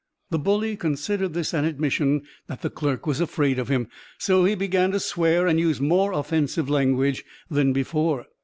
The bully considered this an admission that the clerk was afraid of him, so he began to swear and use more offensive language than before.